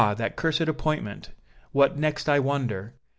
that cursed appointment! What next I wonder?